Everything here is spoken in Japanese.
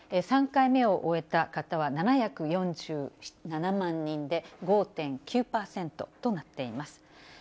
３回目を終えた方は７４７万人で、５．９％となっています。